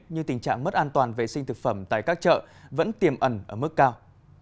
nhưng tình trạng mất an toàn vệ sinh thực phẩm tại các chợ vẫn tiềm ẩn ở mức cao